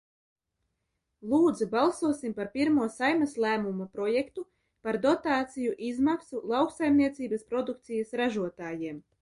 "Lūdzu, balsosim par pirmo Saeimas lēmuma projektu "Par dotāciju izmaksu lauksaimniecības produkcijas ražotājiem"."